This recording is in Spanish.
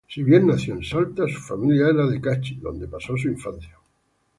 Si bien nació en Salta, su familia era de Cachi, donde pasó su infancia.